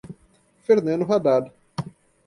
Fernando Haddad